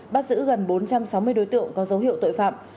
bắt giữ gần bốn trăm sáu mươi đối tượng có dấu hiệu tội phạm